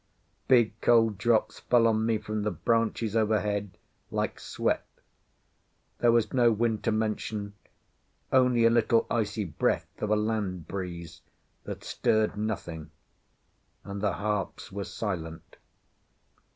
Big, cold drops fell on me from the branches overhead like sweat. There was no wind to mention; only a little icy breath of a land breeze that stirred nothing; and the harps were silent.